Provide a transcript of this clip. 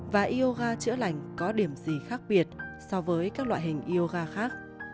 và yoga chữa lành có điểm gì khác biệt so với các loại hình yoga khác